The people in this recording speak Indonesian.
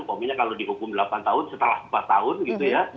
pokoknya kalau dihukum delapan tahun setelah empat tahun gitu ya